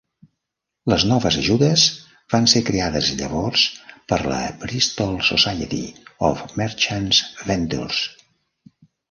Les noves ajudes van ser creades llavors per la Bristol Society of Merchant Ventures.